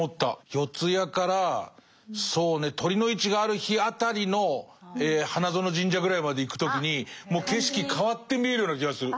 四谷からそうね酉の市がある日辺りの花園神社ぐらいまで行く時にもう景色変わって見えるような気がする。